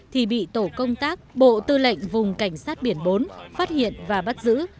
thì bị tổ công tác bộ tư lệnh vùng cảnh sát biển bốn phát hiện và bắt giữ